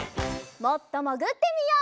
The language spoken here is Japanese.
もっともぐってみよう。